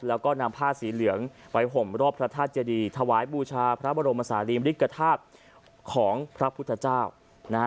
แล้วก็นำผ้าสีเหลืองไปห่มรอบพระธาตุเจดีถวายบูชาพระบรมศาลีมริกฐาตุของพระพุทธเจ้านะฮะ